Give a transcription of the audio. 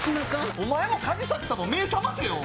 お前もカジサックさんも目覚ませよ